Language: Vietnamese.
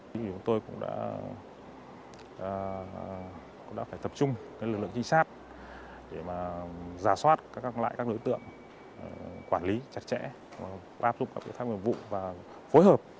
chúng tôi cũng đã tập trung lực lượng trinh sát để giả soát các loại đối tượng quản lý chặt chẽ áp dụng các vụ phối hợp